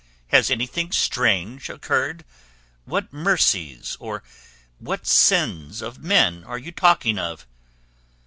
Has anything strange occurred? What mercies or what sins of men are you talking of?"